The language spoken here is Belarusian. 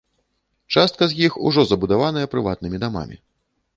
Частка з іх ўжо забудаваная прыватнымі дамамі.